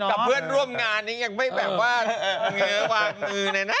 กับเพื่อนร่วมงานยังไม่เหมือนใหงเงินวางมือ